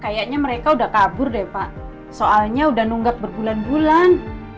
kayaknya mereka udah kabur deh pak soalnya udah nunggak berbulan bulan